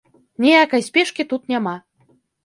Ніякай спешкі тут няма.